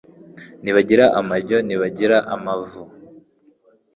Ntibagira amajyo, ntibagira amavu.